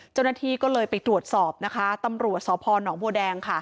เจ้าหน้าที่ก็เลยไปตรวจศพตำรวจศพหนองบัวแดง